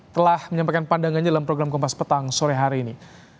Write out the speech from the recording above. telah menyampaikan pandangannya dalam program kompas petang sore hari ini